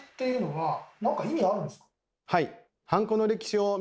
はい。